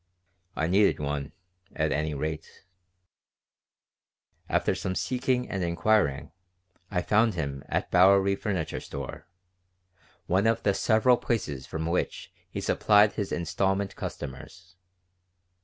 I needed one, at any rate After some seeking and inquiring, I found him in a Bowery furniture store, one of the several places from which he supplied his instalment customers.